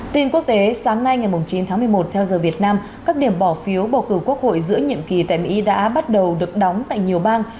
tin quốc tế sáng nay ngày chín tháng một mươi một theo giờ việt nam các điểm bỏ phiếu bầu cử quốc hội giữa nhiệm kỳ tại mỹ đã bắt đầu được đóng tại nhiều bang